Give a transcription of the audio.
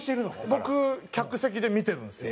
僕客席で見てるんですよ。